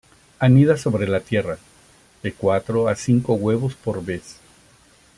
Anida sobre la tierra, de cuatro a cinco huevos por vez.